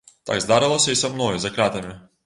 Так здарылася і са мной за кратамі.